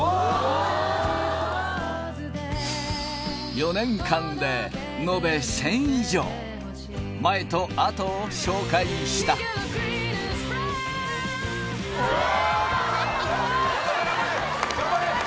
４年間で延べ１０００以上前と後を紹介したうわ！